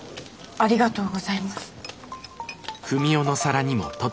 ありがとうございます。